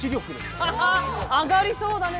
上がりそうだね